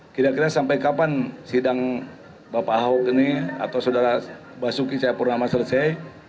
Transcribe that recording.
kira kira sampai kapan sidang bapak ahok ini atau saudara basuki cahayapurnama selesai